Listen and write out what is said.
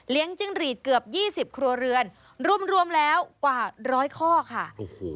เลี้ยงจิ้งหรีดเกือบ๒๐ครัวเรือนรุ่มแล้วกว่า๑๐๐ข้อค่ะ